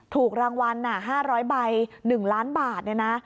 ถูกรางวัลน่ะห้าร้อยใบหนึ่งล้านบาทเนี่ยน่ะ